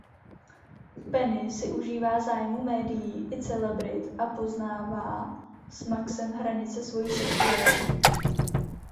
Penny si užívá zájmu médií i celebrit a poznává s Maxem hranice svojí sexuality.